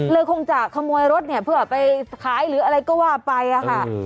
คงจะขโมยรถเนี่ยเพื่อไปขายหรืออะไรก็ว่าไปอะค่ะ